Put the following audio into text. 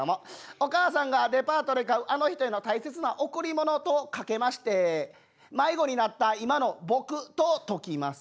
お母さんがデパートで買うあの人への大切な贈り物とかけまして迷子になった今の僕と解きます。